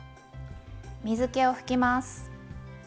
水けを拭きます。